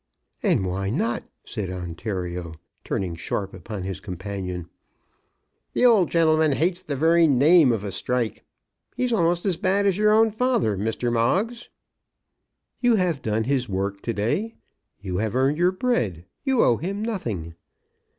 "And why not?" said Ontario, turning sharp upon his companion. "The old gen'leman hates the very name of a strike. He's a'most as bad as your own father, Mr. Moggs." "You have done his work to day. You have earned your bread. You owe him nothing."